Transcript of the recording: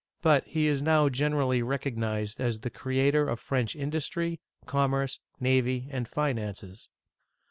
But he is now generally recognized as the creator of French industry, commerce, navy, and finances.